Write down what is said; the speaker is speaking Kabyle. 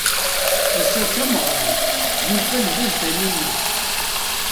Ass-a d tameɣra, yufa lbaz taninna.